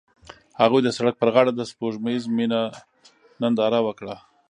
هغوی د سړک پر غاړه د سپوږمیز مینه ننداره وکړه.